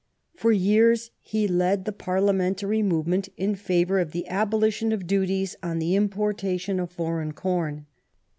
For years he led the Parliamentary movement in favor of the abolition of duties on the importation of foreign corn.